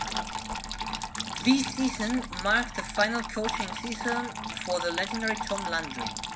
This season marked the final coaching season for the legendary Tom Landry.